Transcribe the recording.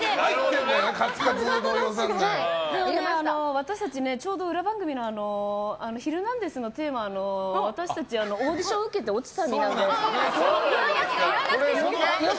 私たちちょうど裏番組の「ヒルナンデス！」のテーマの私たち、オーディション受けて落ちた身なので。